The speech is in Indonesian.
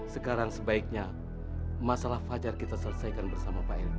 sekarang sebaiknya masalah fajar kita selesaikan bersama pak erick